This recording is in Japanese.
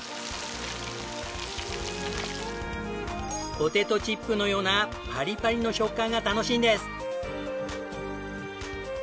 ポテトチップのようなパリパリの食感が楽しいんです。